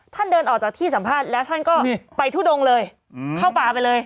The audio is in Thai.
เดินออกจากที่สัมภาษณ์แล้วท่านก็ไปทุดงเลยเข้าป่าไปเลย